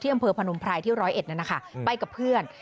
อำเภอพนมไพรที่๑๐๑นั้นนะคะไปกับเพื่อน